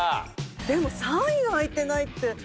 でも３位が開いてないって。